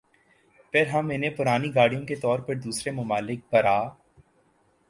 پھر ہم انہیں پرانی گاڑیوں کے طور پر دوسرے ممالک برآ